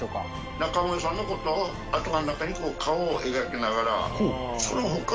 中丸さんのことを頭の中に顔を描きながら。